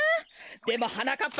でもはなかっ